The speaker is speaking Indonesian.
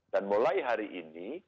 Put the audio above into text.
dan mulai hari ini